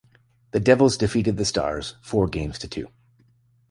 The Devils defeated the Stars, four games to two.